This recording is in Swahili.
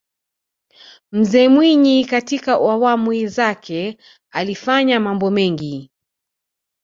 mzee mwinyi katika awamu zake alifanya mambo mengi